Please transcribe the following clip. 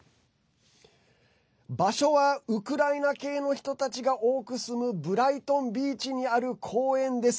場所は、ウクライナ系の人たちが多く住むブライトン・ビーチにある公園です。